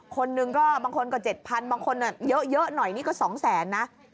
คนนึงก็บางคนก็เจ็ดพันบาทบางคนอ่ะเยอะเยอะหน่อยนี่ก็สองแสนนะ